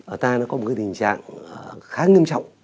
ở ta nó có một cái tình trạng khá nghiêm trọng